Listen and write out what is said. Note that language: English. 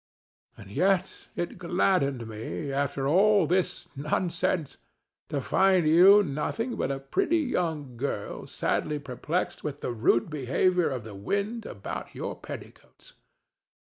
And yet it gladdened me, after all this nonsense, to find you nothing but a pretty young girl sadly perplexed with the rude behavior of the wind about your petticoats.